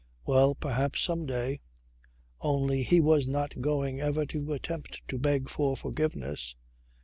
Well, perhaps, some day ... Only he was not going ever to attempt to beg for forgiveness.